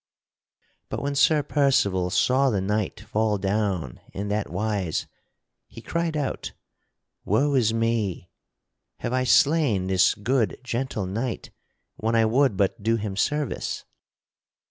But when Sir Percival saw the knight fall down in that wise, he cried out: "Woe is me! Have I slain this good, gentle knight when I would but do him service?"